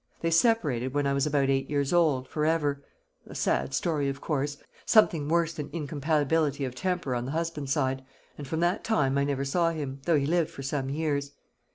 They separated, when I was about eight years old, for ever a sad story, of course something worse than incompatibility of temper on the husband's side; and from that time I never saw him, though he lived for some years.